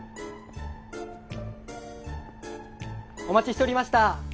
お待ちしておりました。